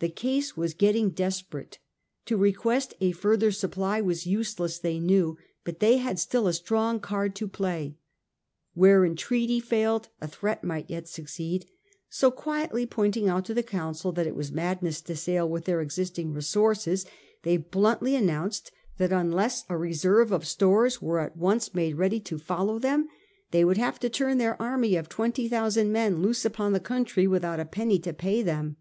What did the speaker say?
The case was getting desperate. To request a further supply was useless they knew, but they had still a strong card to play. Where entreaty failed a threat might yet succeed ; so quietly pointing out to the Council that it was madness to sail with their existing resources, they bluntly announced that unless a reserve of stores was at once made ready to follow them, 'they would have to turn their army of twenty thousand men loose upon the country without a penny to pay them.